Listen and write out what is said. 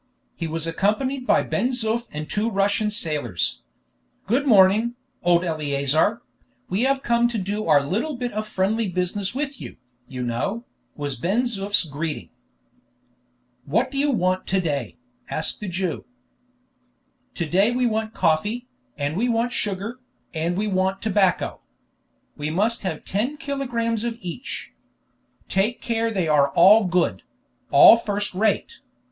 He was accompanied by Ben Zoof and two Russian sailors. "Good morning, old Eleazar; we have come to do our little bit of friendly business with you, you know," was Ben Zoof's greeting. "What do you want to day?" asked the Jew. "To day we want coffee, and we want sugar, and we want tobacco. We must have ten kilogrammes of each. Take care they are all good; all first rate.